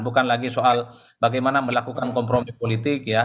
bukan lagi soal bagaimana melakukan kompromi politik ya